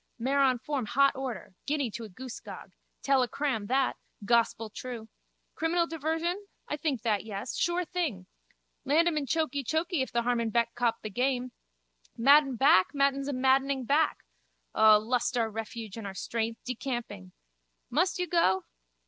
Mare on form hot order. Guinea to a goosegog. Tell a cram, that. Gospeltrue. Criminal diversion? I think that yes. Sure thing. Land him in chokeechokee if the harman beck copped the game. Madden back Madden's a maddening back. O lust our refuge and our strength. Decamping. Must you go?